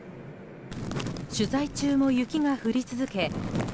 取材中も雪が降り続け